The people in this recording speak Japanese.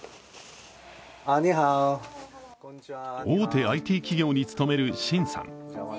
大手ＩＴ企業に勤める秦さん。